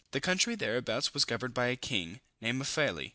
The country thereabouts was governed by a king, named Mafaly.